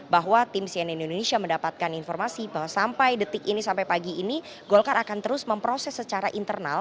bahwa tim cnn indonesia mendapatkan informasi bahwa sampai detik ini sampai pagi ini golkar akan terus memproses secara internal